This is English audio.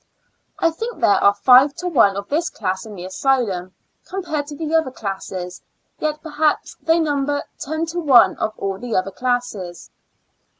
I think there are five to one of this class in the asylum compared to the other classes; yet, perhaps, they number ten to one of all the other classes.